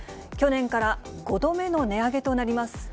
去年から５度目の値上げとなります。